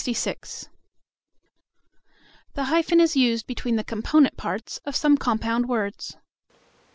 THE HYPHEN LXVI. The hyphen is used between the component parts of some compound words.